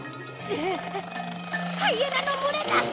ハイエナの群れだ！